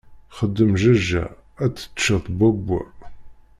Xdem jajja, ad tteččeḍ bwabbwa!